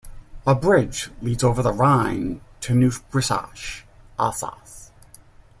A bridge leads over the Rhine to Neuf-Brisach, Alsace.